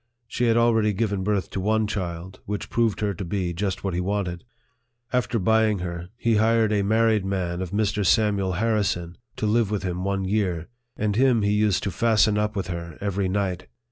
She had already given birth to one child, which proved her to be just what he wanted. After buying her, he hired a married man of Mr. Samuel Harrison, to live with him one year ; and him he used to fasten up with her every night